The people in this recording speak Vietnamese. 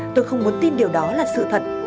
tôi không muốn tin điều đó là sự thật